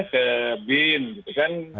ke bin gitu kan